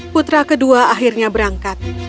putra kedua akhirnya berangkat